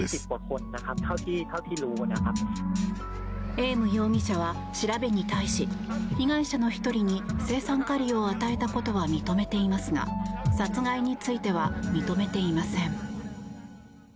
エーム容疑者は調べに対し被害者の１人に青酸カリを与えたことは認めていますが殺害については認めていません。